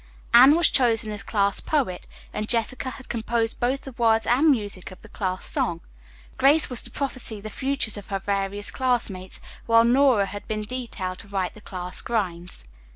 Anne was chosen as class poet, and Jessica had composed both the words and music of the class song. Grace was to prophesy the futures of her various classmates, while Nora had been detailed to write the class grinds.